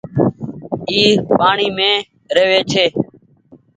اي پآڻيٚ مين رهوي ڇي۔